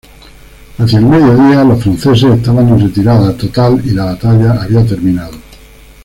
Hacia el mediodía, los franceses estaban en retirada total y la batalla había terminado.